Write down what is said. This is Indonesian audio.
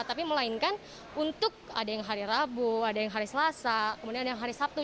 tapi melainkan untuk ada yang hari rabu ada yang hari selasa kemudian ada yang hari sabtu